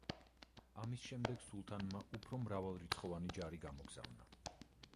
ამის შემდეგ სულთანმა უფრო მრავალრიცხოვანი ჯარი გამოგზავნა.